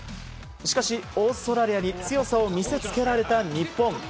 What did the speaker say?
しかし、オーストラリアに強さを見せつけられた日本。